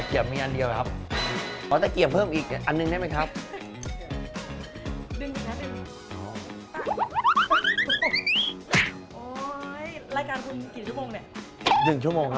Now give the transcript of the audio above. คนลองชินดู